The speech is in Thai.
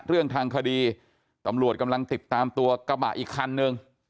เรื่องทางคดีตำรวจกำลังติดตามตัวกระบะอีกคันนึง